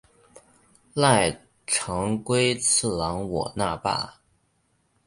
濑长龟次郎我那霸。